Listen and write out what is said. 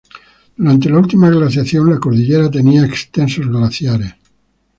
Durante la última glaciación la cordillera tenía extensos glaciares.